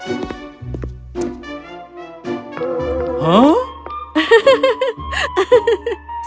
aku pikir aku mendengar dia turun